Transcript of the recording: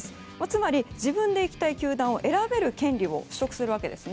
つまり、自分で行きたい球団を選べる権利を取得するわけです。